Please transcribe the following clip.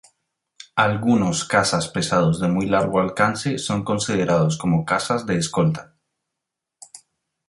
Algunos cazas pesados de muy largo alcance son considerados como cazas de escolta.